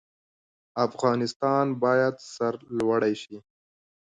افغانستان باید سرلوړی شي